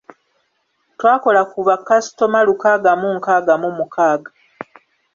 Twakola ku bakasitoma lukaaga mu nkaaga mu mukaaga.